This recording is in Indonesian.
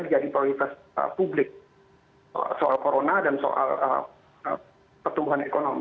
menjadi prioritas publik soal corona dan soal pertumbuhan ekonomi